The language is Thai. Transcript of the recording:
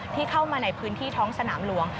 ที่เข้ามาในพื้นที่ท้องสนามหลวง